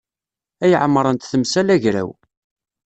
Ay ɛemṛent temsal agraw.